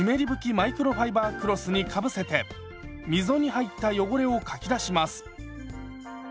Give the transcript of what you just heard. マイクロファイバークロスにかぶせて溝に入った汚れをかき出します。